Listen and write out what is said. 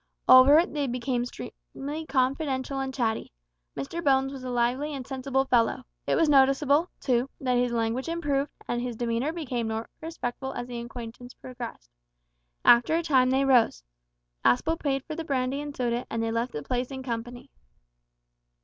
Over it they became extremely confidential and chatty. Mr Bones was a lively and sensible fellow. It was noticeable, too, that his language improved and his demeanour became more respectful as the acquaintance progressed. After a time they rose. Aspel paid for the brandy and soda, and they left the place in company.